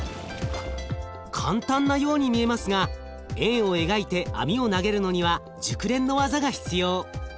簡単なように見えますが円を描いて網を投げるのには熟練の技が必要。